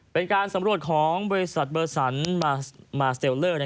เป็นการสำรวจของบริษัทเบอร์สันมาสเตลเลอร์